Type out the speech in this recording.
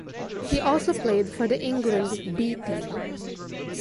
He also played for the England 'B' team.